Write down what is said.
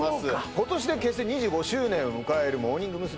今年で結成２５周年を迎えるモーニング娘。